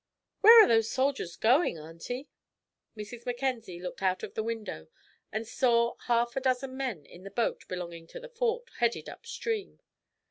Where are those soldiers going, Aunty?" Mrs. Mackenzie looked out of the window and saw half a dozen men in the boat belonging to the Fort, headed up stream.